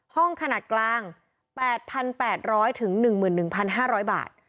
ห้องขนาดกลาง๘๘๐๐ถึง๑๑๕๐๐บาท